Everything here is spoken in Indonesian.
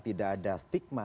tidak ada stigma